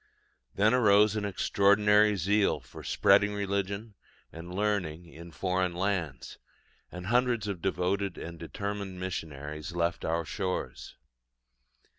Then arose an extraordinary zeal for spreading religion and learning in foreign lands; and hundreds of devoted and determined missionaries left our shores.